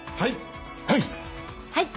はい！